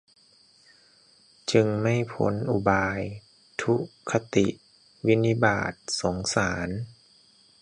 จึงไม่พ้นอุบาย ทุคติ วินิบาต สงสาร